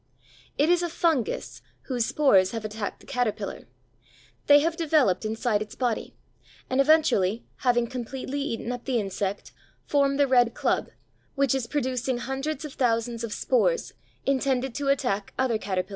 It is a fungus whose spores have attacked the caterpillar; they have developed inside its body, and eventually, having completely eaten up the insect, form the red club, which is producing hundreds of thousands of spores intended to attack other caterpillars.